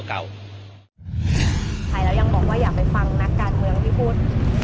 เรายังบอกว่าอยากไปฟังนักการเมืองที่พูด